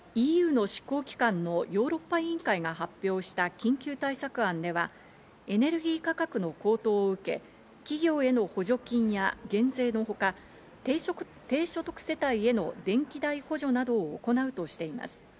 ＥＵの執行機関のヨーロッパ委員会が発表した緊急対策案では、エネルギー価格の高騰を受け、企業への補助金や減税のほか、低所得世帯への電気代補助などを行うとしています。